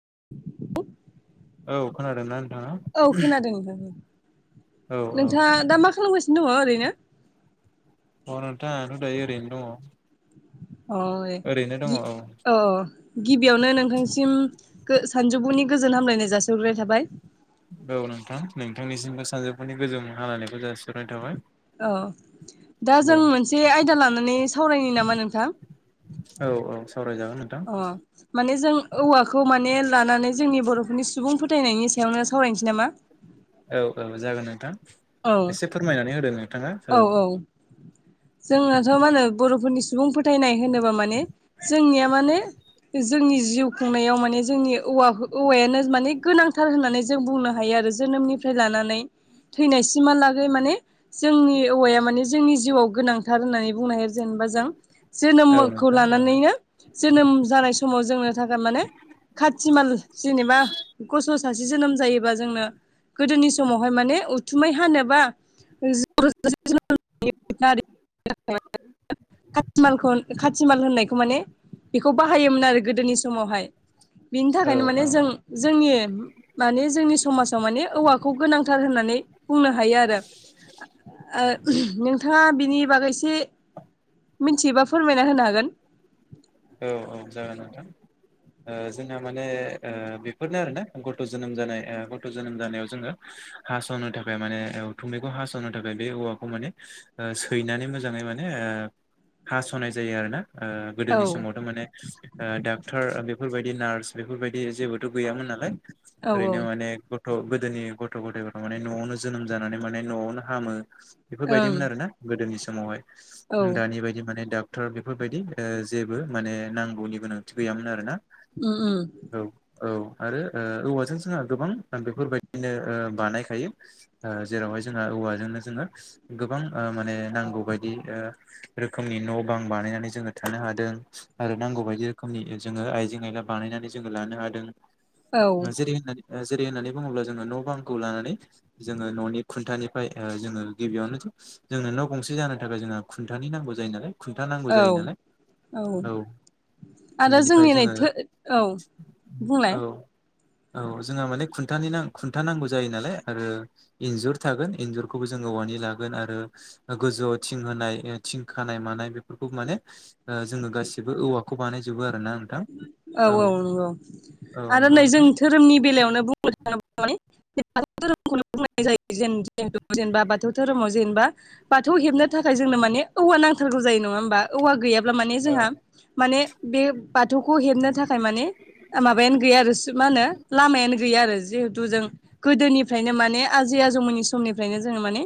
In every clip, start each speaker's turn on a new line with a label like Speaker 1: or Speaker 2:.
Speaker 1: [inaudible] [inaudible]
Speaker 2: औ खोनादोंना नोंथाङा
Speaker 1: औ खोनादों नोंथां
Speaker 2: औ
Speaker 1: नोंथाङा
Speaker 2: औ
Speaker 1: दा मा खालामगासिनो दं ओरैनो
Speaker 2: अ नोंथां आं थ दायो ओरैनो दङ
Speaker 1: अ
Speaker 2: ओरैनो दङ औ
Speaker 1: अ औ गिबियावनो नोंथांसिम सानजौफुनि गोजोन हामलायनाय जासिहरगोनाय थाबाय
Speaker 2: औ नोंथां नोंथांनिसिमबो सानजौफुनि गोजौ हालायानायखौ जासि नाय थाबाय
Speaker 1: औ दा जों
Speaker 2: औ
Speaker 1: मोनसे आयदा लानानै सावरायनो नामा नोंथां
Speaker 2: औ औ सावरायजागोन नोंथां
Speaker 1: अ माने जों औवाखौ माने लानानै जोंनि बर'फोरनि सुबुं फोथायनायनि सायावनो सावरायनोसै नामा
Speaker 2: औ औ जागोन नोंथां
Speaker 1: औ
Speaker 2: एसे फोरमायनानै होदों नोंथाङा औ
Speaker 1: जोंनाथ मा होनो बर'फोरनि सुबुं फोथायनाय होनोब्ला माने जोंनिया माने जोंनि जिउ खुंनायाव माने जोंनि औव औवायानो माने गोनांथार होननानै जों बुंनो हायो जोनोमनिफ्राय लानानै थैनायसिमहालागै माने जोंनि औवाया माने जोंनि जिउआव गोनांथार होननानै बुंनो हायो जेनेबा जों
Speaker 2: औ
Speaker 1: जोनोमखौ
Speaker 2: नोंथां औ
Speaker 1: लानानैनो जोनोम जानाय समाव जोङो मानि खाथिमाल जेनेबा सासे जोनोम जायोबा जोंनो गोदोनि समावहाय माने उथुमै हानोबा [unintelligible] सिमाल होननायखौ माने बेखौ बाहायोमोन आरो गोदोनि समावहाय बिनि
Speaker 2: औ
Speaker 1: थाखायनो माने
Speaker 2: औ
Speaker 1: जों जोंनि माने जोंनि समाजाव माने औवा खौ गोनांथार होननानै बुंनो हायो आरो ओ थाङा बिनि बागै एसे मिथियोबा फोरमायना होनो हागोन
Speaker 2: औ औ जागोन नोंथां ओ जोंहा माने बेफोरनो आरोना गथ जोनोम जानाय गथ जोनोम जानायाव जोङो हासनो थाखाय माने थुमैखौ हासनो थाखाय बे औवाखौ माने सैनानै मोजाङै माने ओ हासनाय जायो आरो ना ओ
Speaker 1: औ
Speaker 2: गोदोनि समावथ माने डाक्टर बेफोरबायदि नार्स बेफोरबायदि बे जेबोथ गैयामोन नालाय
Speaker 1: औ
Speaker 2: ओरैनो माने गथ गोदोनि गथ गथायफोरा माने नआवनो जोनोम जानानै माने नआवनो हामो
Speaker 1: ओं
Speaker 2: बेफोरबायदिमोन आरोना गोदोनि समावहाय
Speaker 1: औ
Speaker 2: दानि बायदि माने दा क्टार बेफोरबायदि ओ जेबो माने नांगौनि गोनांथि गैयामोन आरो ना
Speaker 1: ओम
Speaker 2: आरो ओ औवाजों जोंहा गोबां बेफोरबायदिनो ओ बानायखायो ओ जेरावहाय जोंहा औवाजोंनो जोङो गोबां माने नांगौ बायदि ओ रोखोमनि न' बां बानायनानै जों जोङो थानो हादों आरो नांगौ बायदि रोखोमनि जोङो आइजें आयला बानायनानै जोङो लानो हादों
Speaker 1: औ
Speaker 2: मज [unintelligible] जेरै होननानै बुङोब्ला जोङो न' बांखौ लानानै जोङो न'नि खुन्थानिफ्राय जोङो गिबियावनो जोंनो न' गंसे जानो थाखाय जोंहा खुन्थानि नांगौ जायो नालाय खुन्था नांगौ
Speaker 1: औ
Speaker 2: जायो नालाय
Speaker 1: औ आरो
Speaker 2: बेनिफ्राय
Speaker 1: जोंनि
Speaker 2: जोङो
Speaker 1: नैथो औ बुंलाय
Speaker 2: औ औ जोंहा माने खुन्थानि ना खुन्था नांगौ जायो नालाय आरो इन्जुर थागोन इन्जुरखौ जों औवानि लागोन आरो गोजौ आव थिं होनाय थिं खानाय मानाय खौ माने ओ जोङो गासिबो औवाखौ बानायजोबो आरो ना नोंथां
Speaker 1: औ औ नंगौ
Speaker 2: औ
Speaker 1: आरो नै
Speaker 2: नंगौ
Speaker 1: जों
Speaker 2: नोंथां
Speaker 1: धोरोमनि बेलायावनो बुंनो थाङोब्ला माने थौ धोरोमखौ बुं जायो जेनेबा बाथौ धोरोमाव जेनेबा बाथौ हेब [unintelligible] थाखाय जोंनो मानि औवा नांथारगौ जायो नङा होमबा औवा गैयाबा अब्ला माने
Speaker 2: औ
Speaker 1: जोंहा माने बे बाथौखौ हेबनो थाखाय माने माबायानो गैया आरो मा होनो लामायानो गैया आरो जिहेथु जों गोदोनिफ्रायनो माने आजि जनि समनिफ्रायनो जोङो माने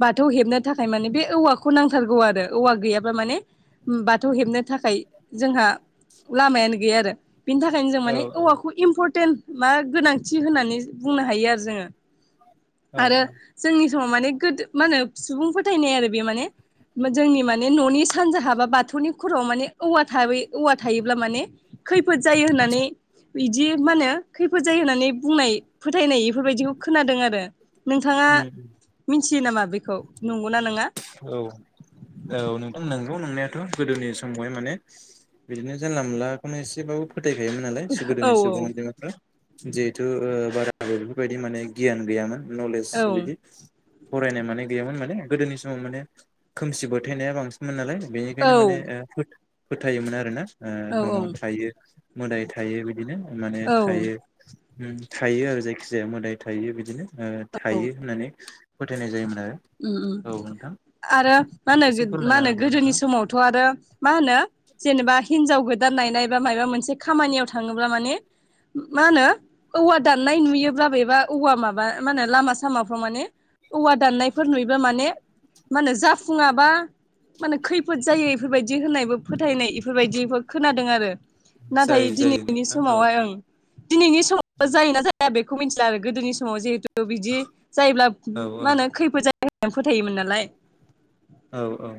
Speaker 1: बाथौ हेबनो थाखाय माने बे औवाखौ नांथारगौ आरो औवा गैयाबा माने बाथौ हेबनो थाखाय जोंहा लामायानो गैया आरो बिनि थाखायनो जों
Speaker 2: औ
Speaker 1: माने
Speaker 2: औ
Speaker 1: औवाखौ इम्परटेन्ट मा गोनांथि होननानै बुंनो हायो आरो जोङो
Speaker 2: औ
Speaker 1: आरो जोंनि माने गोदो मा होनो सुबुं फोथायनाय आरो बे माने जोंनि माने न'नि सानजाहाब बा बाथौनि खर'आव माने औवा थाब औवा थायोबा अब्ला माने खैफोद जायो होननानै बिदि मा होनो खैफोद जायो होननानै बुंनाय फोथायनाय बेफोरबायदिखौ खोनादों आरो नोंथाङा
Speaker 2: उम
Speaker 1: मिथियो नामा बेखौ नंगौना नङा
Speaker 2: औ औ नोंथां नंगौ नोंनायाथ' गोदोनि समावहाय माने बिदिनो जानला मोनलाखौनो एसेबो फोथायखायोमोन नालाय
Speaker 1: औ
Speaker 2: गोदोनि सुबुं अनजिफ्रा जिहेथु बारा आरो बेफोरबायदि माने गियान गैयामोन नलेज
Speaker 1: औ
Speaker 2: बिदि फरायनाय माने गैयामोन माने गोदोनि सम समाव माने खोमसि बोथायनाया बांसिनमोन नालाय बेनिखायनो माने फोथायोमोन आर ना
Speaker 1: औ
Speaker 2: दङ थायो मोदाय थायो बिदिनो माने
Speaker 1: औ
Speaker 2: थायो थायो आरो जायखि जाया मोदाय थायो बिदिनो थायो होननानै फोथायनाय जायोमोन।
Speaker 1: उम उम
Speaker 2: औ नोंथां
Speaker 1: आरो मा
Speaker 2: एसे
Speaker 1: होनो मा
Speaker 2: फोरमायना
Speaker 1: होनो गोदोनि
Speaker 2: होबावदो नोंथाङा
Speaker 1: समावथ' आरो मा होनो जेनेबा हिनजाव गो दान नायनाय बा माबा मोनसे खामानियाव थाङोब्ला माने मा होनो औवा दाननाय नुयोब्लाबोबा औवा माबा म होने लामा सामाफ्राव माने औवा दाननायफोर नुयोबा माने मा होनो जाफुङाबा माने खैफोद जायो इफोरबायदि होननायबो फोथायनाय इफोरबायदिफोर खोनादों आरो नाथाय
Speaker 2: जायो जायो
Speaker 1: दिनैनि
Speaker 2: नोंथां औ
Speaker 1: समावहाय ओं दिनैनि समाव जायो ना जाया बेखौ मिथिला आरो गोदोनि समाव जिहेथु बिदि जायोब्ला
Speaker 2: औ
Speaker 1: मा होनो खैफोद जायो होननानै फोथायोमोन नालाय
Speaker 2: औ औ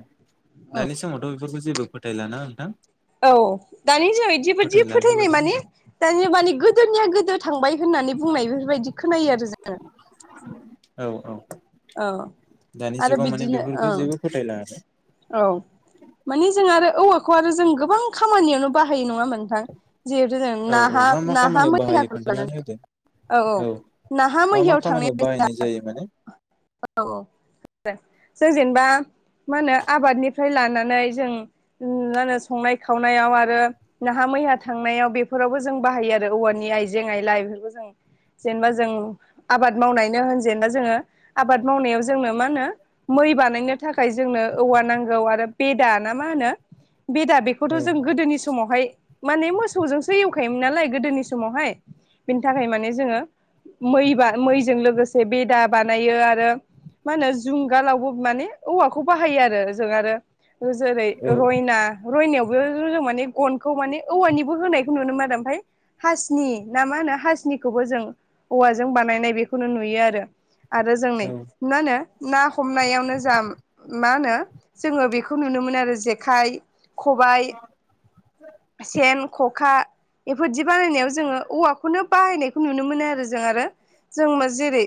Speaker 2: दानि समावथ' बेफोरखौ जेबो फोथायला ना नोंथां
Speaker 1: औ दानि दिनाव बिदिबायदि
Speaker 2: फोथायला
Speaker 1: फोथायनाय
Speaker 2: बेफोरबायदि
Speaker 1: माने दानिया माने गोदोनिया गोदो थांबाय होननानै बुंनाय बेफोरबायदि खोनायो आरो जोङो
Speaker 2: औ औ
Speaker 1: औ
Speaker 2: दानि
Speaker 1: आरो
Speaker 2: जुगाव माने
Speaker 1: बिदिनो
Speaker 2: बेफोरखौ
Speaker 1: ओं
Speaker 2: जेबो फोथायला
Speaker 1: औ मानि जों आरो औवाखौ आरो जों गोबां खामानियावनो बाहायो नङामोन नोंथां जिहेथु जों ना
Speaker 2: आरो औ औ मा मा
Speaker 1: नाहा
Speaker 2: खामानियाव बाहायो
Speaker 1: मैनाखौ
Speaker 2: खोन्थानानै
Speaker 1: लानानै
Speaker 2: होदो
Speaker 1: औ औ नाहा
Speaker 2: मा मा
Speaker 1: मैहियाव
Speaker 2: खामानियाव
Speaker 1: थांनायानो
Speaker 2: बाहायनाय जायो माने
Speaker 1: औ औ जों जेनेबा मा होनो आबादनिफ्राय मा लानानै होनो जों संनाय खावनायाव आरो नाहा मैहा थांनायाव बेफोरावबो जों बाहायो आरो औवानि आइजें आइ लाइ बेफोरखौ जों जेनेबा जों आबाद मावनायनो होन जेनेबा जोङो आबाद मावनायाव जोंनो मा होनो मै बानायनो थाखाय जोंनो औवा नांगौ आरो बेदा ना मा होनो बेदा बेखौथ'
Speaker 2: औ
Speaker 1: जों गोदोनि समावहाय माने मोसौजोंसो एवखायोमोन नालाय गोदोनि समावहाय बिनि थाखाय माने जोङो मै बा मैजों लोगोसे बेदा बानायो आरो मा होनो जुंगालावबो माने औवाखौ बाहायो आरो आरो जों आरो जेरै
Speaker 2: औ
Speaker 1: रयना रयनायावबो माने गनखौ माने औवानिबो होनायखौ नुयो आरो ओमफ्राय हासनि ना मा होनो हासनिखौबो जों औवाजों बानायनाय बेखौनो नुयो आरो आरो जोंनै
Speaker 2: औ
Speaker 1: मा होनो ना हमनायावनो जा मा होनो जोङो बेखौ नुनो मोनो आरो जेखाइ खबाइ सेन खखा बेफोरदि बानायनायाव जोङो औवाखौनो बाहायनायखौ नुनो मोनो आरो जों आरो जों मा जेरै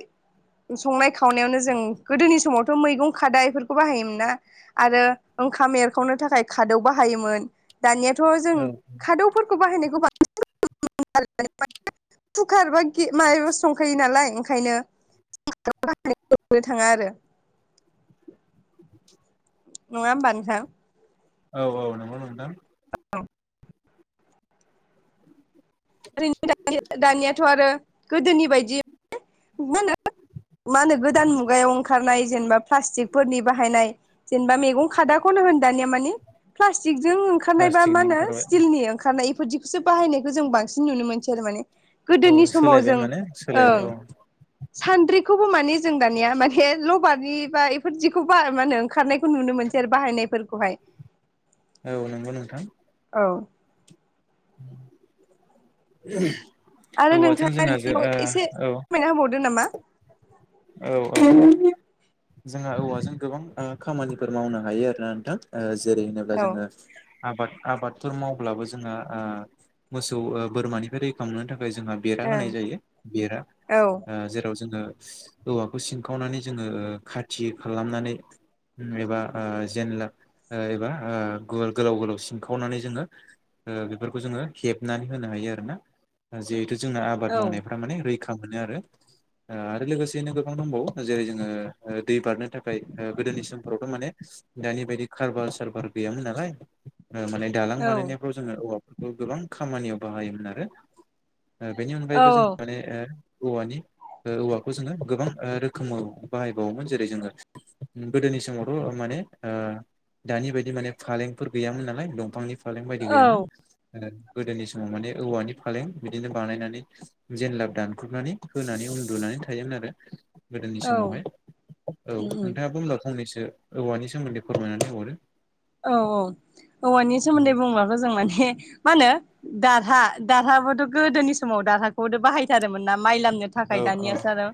Speaker 1: संनाय खावनायावनो जों गोदोनि समावथ' मैगं खादा बेफोरखौ बाहायोमोन ना आरो ओंखाम एरखावनो थाखाय खादौ बाहायोमोन। दानियाथ' जों खादौफोरखौ बाहायनाय गोबां [inaudible] [unintelligible] संखायो नालाय ओंखायनो [inaudible] नों थाङा आरो नङा ओबा नोंथां।
Speaker 2: औ औ नोंगौ मोनदों।
Speaker 1: दानियाथ' आरो गोदोनि बायदि [unintelligible] मा होनो गोदान मुगायाव ओंखारनाय जेनेबा प्लास्टिकफोरनि बाहायनाय जेनेबा मैगं खादा [unintelligible] [unintelligible] ओंखारनाय बा मा
Speaker 2: प्लास्टिकनि
Speaker 1: होनो
Speaker 2: ओंखारबाय
Speaker 1: स्टिलनि ओंखारनाय इफोरदिखौसो बाहायनायखौ जों बांसिन नुनो मोनसै आरो माने। गोदोनि
Speaker 2: औ
Speaker 1: समाव
Speaker 2: सोलायबाय
Speaker 1: जों
Speaker 2: माने सोलायबाय
Speaker 1: ओं।
Speaker 2: औ
Speaker 1: सान्द्रिखौबो मानि जों दानिया माने लबारनि बा बेफोरदिखौबो बा मा होनो ओंखारनाय नुनो मोनसै आरो बाहायनायफोरखौहाय।
Speaker 2: औ नंगौ नोंथां।
Speaker 1: औ
Speaker 2: [inaudible]
Speaker 1: आरो
Speaker 2: औवाथों
Speaker 1: नोंथाङा
Speaker 2: जोंहा ज
Speaker 1: बेनि
Speaker 2: आ
Speaker 1: एसे
Speaker 2: औ।
Speaker 1: फोरमायना होबावदो नामा
Speaker 2: औ औ [inaudible] जोंहा औवाजों गोबां ओ खामानिफोर मावनो हायो आरोना नोंथां ओ जेरै होनोब्ला
Speaker 1: औ
Speaker 2: जोंङो आबाद आबादफोर मावब्लाबो जोंङो ओ मोसौ ओ बोरमानिफ्राय रैखा मोननो था जोंहा बेरा होनाय जायो बेरा
Speaker 1: ओं
Speaker 2: आ जेराव जोङो। औवाखौ सिनखावनानै जोङो ओ खाथि खालामनानै [unintelligible] एबा आ जेनला आ एबा आ गल गोलाव गोलाव सिनखावनानै जोङो ओ बेफोरखौ जोङो हेबनानै होनो हायो आरोना जिहेथु जोंना आबाद
Speaker 1: औ
Speaker 2: मावनायफोरा माने रैखा मोनो आरो आ आरो लोगोसे [inaudible] गोबां दंबावो जेरै जोङो आ दै बारनो थाखाय आ गोदोनि समफोरावथ' माने दानि बायदि खारबार सारबार गैयामोन नालाय। माने दालां
Speaker 1: औ
Speaker 2: बानायनायफ्राव जोङो औवाफोरखौ गोबां खामानियाव बाहायोमोन आरो ओ बेनि
Speaker 1: औ
Speaker 2: अनगायैबो जोङो माने ए औवानि ओ औवाखौ जोङो गोबां आ रोखोमाव बाहायबावोमोन जेरै जोङो गोदोनि समावथ' माने ओ दानि बायदि माने फालेंफोर गैयामोन नालाय दंफांनि फालें बायदि
Speaker 1: औ
Speaker 2: गैयामोन ओ गोदोनि समाव माने औवानि फालें बिदिनो बानायनानै जेनलाब दानख्रुबनानै होनानै उन्दुनाय थायोमोन आरो। गोदोनि
Speaker 1: औ
Speaker 2: समावहाय औ
Speaker 1: उम उम
Speaker 2: नोंथाङा बुंलाव फंनैसो [inaudible] औवानि सोमोन्दै फोरमायनानै हरो।
Speaker 1: औ औ औवानि सोमोन्दै बुंब्लाबो जों माने मा होनो दाहा दाहाबोथ' गोदोनि समाव दाहाखौथ' बाहायथारोमोन ना। माइ लामनो थाखाय
Speaker 2: औ
Speaker 1: दानियासो आरो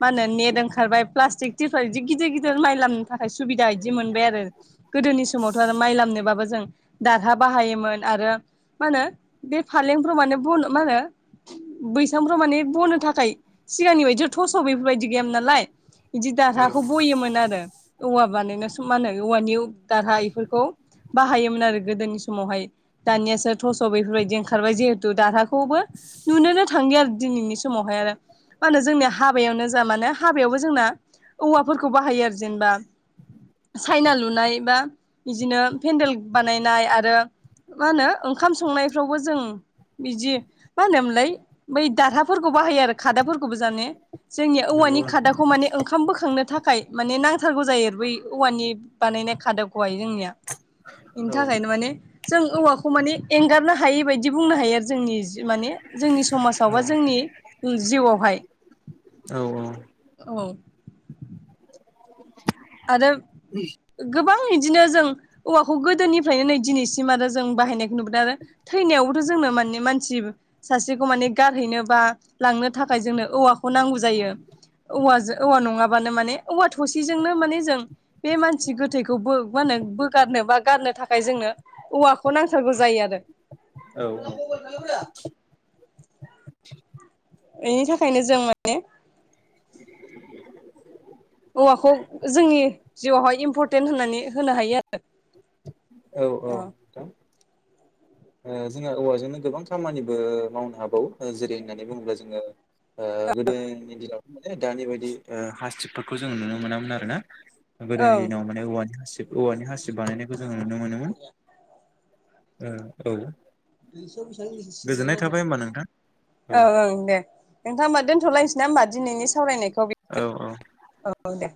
Speaker 1: मा होनो नेट ओंखारबाय प्लास्टिकथ [inaudible] बिदि गिदिर गिदिर माइ लाम थाखाय सुबिदा बिदि मोनबाय आरो। गोदोनि समावथ' आरो माइ लामनोबाबो जों दाहा बाहायोमोन आरो मा होनो बे फालें फोराव माने ब मा होनो बैसांफ्राव माने बनो थाखाय सिगांनि बायदि थस' बेफोरबायदि गैयाम नालाय। बिदि
Speaker 2: औ
Speaker 1: दाहाखौ बयोमोन आरो औवा बानायनो स मा होनो औवानि दाहाय एफोरखौ। बाहायोमोन आरो गोदोनि समावहाय दानियासो थस' बेफोरबायदि ओंखारबाय जिहेथु दाहखखौबो नुनोनो थांलिया आरो दिनैनि स मावहाय आरो मा होनो जोंनिया हाबायावनो जा माने हाबायावबो जोंना औवाफोरखौ बाहायो आरो जेनेबा सायना लुनाय बा। बिदिनो पेन्देल बानायनाय आरो मा होनो ओंखाम संनायफ्रावबो जों बिदि मा होनोमोनलाय बै दाहाफोरखौ बाहायो आरो खादाफोरखौबो जाने‌ जोंनिया
Speaker 2: नंगौ
Speaker 1: औवानि
Speaker 2: नोंथां
Speaker 1: खादाखौ माने ओंखाम बोखांनो था खाय माने नांथारगौ जायो आरो बै औवानि बानायनाय खादबखौहाय जोंनिया बेनि
Speaker 2: औ
Speaker 1: थाखायनो माने जों औवाखौ माने एंगारनो हायै बायदि बुंनो हायो आरो जोंनि माने जोंनि समाव बा
Speaker 2: औ
Speaker 1: जोंनि जिउआवहाय
Speaker 2: औ
Speaker 1: औ
Speaker 2: [inaudible]
Speaker 1: आरो गोबां बिदिनो जों औवाखौ गोदोनिफ्रायनो नै दिनैसिम आरो जों बाहायनायखौ नुबोदों आरो थैनायावो जोंनो माने मानसि सासेखौ माने गारहैनो बा लांनो थाखाय जोंनो औवाखौ नांगौ जायो बेयो औवाजों औवा नङाबानो माने औवा थसेजोंनो माने जों बे मानसि गोथैखौ बो माहोनो बोगारनो बा गारनो थाखाय जोंनो औवाखौनो नांथारगौ जायो आरो
Speaker 2: औ
Speaker 1: बेनि थाखायनो जों माने औवाखौ जोंनि जिउआवहाय इम्परटेन्ट होननानै होनो हायो आरो
Speaker 2: औ औ नोंथां जोंहा औवाजोंनो गोबां खामानिबो मावनो हाबावो जेरै, होननानै बुङोब्ला जोङो ओ गोदोनि दिनावथ' माने दानि बायदि हासिबफोरखौ जोङो नुनो मोनामोन आरोना।
Speaker 1: औ
Speaker 2: गोदोनि दिनाव माने औवानि हासिब औवानि हासिब बानायनायखौ जोङो नुनो मोनोमोन। ओ औ,
Speaker 1: [unintelligible] [unintelligible] [unintelligible]
Speaker 2: गोजोननाय थाबाय होमबा नोंथां
Speaker 1: औ औ दे नोंथां दोनथ'लायनोसै ना होमबा दिनैनि सावरायनायखौ
Speaker 2: औ औ
Speaker 1: औ दे।